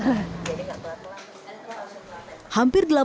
jadi gak kelar kelar